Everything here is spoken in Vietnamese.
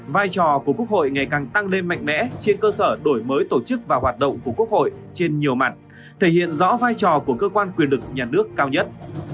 vai trò của quốc hội ngày càng tăng lên mạnh mẽ trên cơ sở đổi mới tổ chức và hoạt động của quốc hội trên nhiều mặt thể hiện rõ vai trò của cơ quan quyền lực nhà nước cao nhất